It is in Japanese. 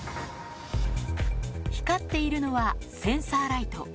光っているのはセンサーライト。